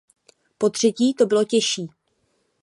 Potřetí to bylo těžší.